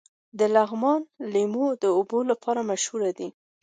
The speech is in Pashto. د لغمان لیمو د اوبو لپاره مشهور دي.